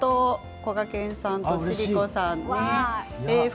こがけんさんと千里子さんです。